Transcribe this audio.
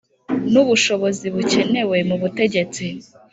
N ubushobozi bukenewe mu butegetsi